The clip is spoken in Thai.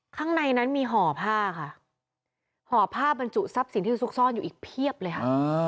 ข้างในนั้นมีห่อผ้าค่ะห่อผ้าบรรจุทรัพย์สินที่ซุกซ่อนอยู่อีกเพียบเลยค่ะ